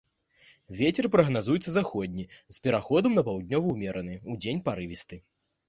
Вецер прагназуецца заходні з пераходам на паўднёвы ўмераны, удзень парывісты.